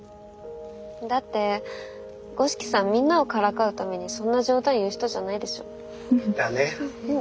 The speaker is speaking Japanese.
だって五色さんみんなをからかうためにそんな冗談言う人じゃないでしょ。だね。